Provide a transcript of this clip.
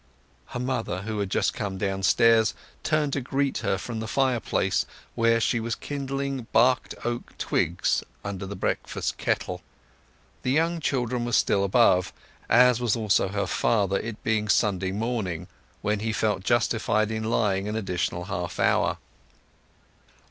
Her mother, who had just come downstairs, turned to greet her from the fireplace, where she was kindling barked oak twigs under the breakfast kettle. The young children were still above, as was also her father, it being Sunday morning, when he felt justified in lying an additional half hour.